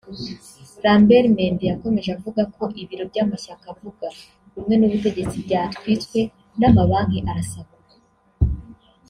Lambert Mende yakomeje avuga ko ibiro by’amashyaka avuga rumwe n’ubutegetsi byatwitswe n’amabanki arasahurwa